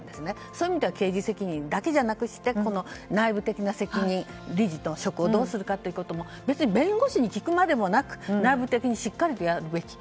そういう意味では刑事責任だけじゃなくして内部的な責任理事と職をどうするかも別に弁護士に聞くまでもなく内部的にしっかりとやるべき。